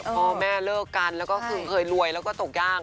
พ่อแม่เลิกกันแล้วก็คือเคยรวยแล้วก็ตกย่าง